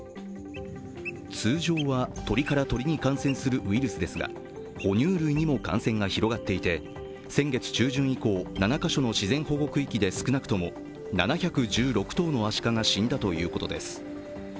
通常は鳥から鳥に感染するウイルスですが、哺乳類にも感染が広がっていて、先月中旬以降、７か所の自然保護区域で少なくとも７１６頭のアシカが死んだということです。